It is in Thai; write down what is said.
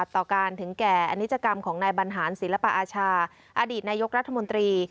ต่อการถึงแก่อนิจกรรมของนายบรรหารศิลปอาชาอดีตนายกรัฐมนตรี